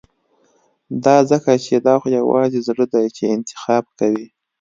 دا ځکه چې دا خو يوازې زړه دی چې انتخاب کوي.